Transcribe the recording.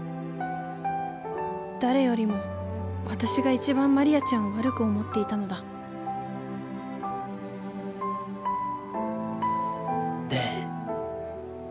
誰よりも私が一番マリアちゃんを悪く思っていたのだベエッ。